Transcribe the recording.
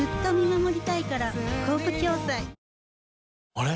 あれ？